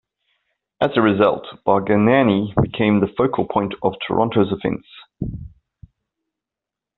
As a result, Bargnani became the focal point of Toronto's offense.